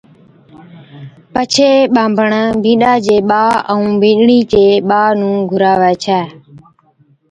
پڇي ٻانڀڻ بِينڏا چي ٻا ائُون بِينڏڙِي چي ٻا نُون گھُراوي ڇَي